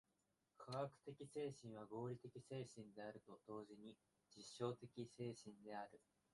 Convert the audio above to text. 科学的精神は合理的精神であると同時に実証的精神である。